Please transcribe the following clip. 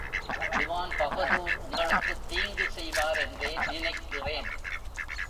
திவான் பகதூர் உங்களுக்குத் தீங்கு செய்வாரென்றே நினைக்கிறேன்.